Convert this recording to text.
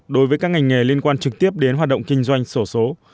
đối với các ngành nghề liên quan trực tiếp đến hoạt động kinh doanh sổ số